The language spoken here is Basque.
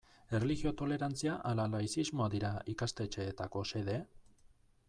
Erlijio tolerantzia ala laizismoa dira ikastetxeetako xede?